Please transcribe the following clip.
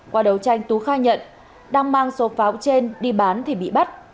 qua đấu tranh tú khai nhận đang mang số pháo trên đi bán thì bị bắt